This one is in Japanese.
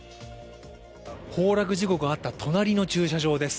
崩落事故があった隣の駐車場です。